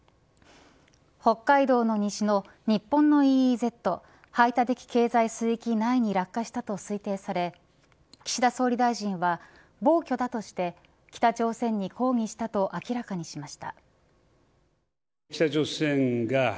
北海道の西の日本のＥＥＺ排他的経済水域内に落下したと推定され岸田総理大臣は暴挙だとして北朝鮮に抗議したと明らかにしました。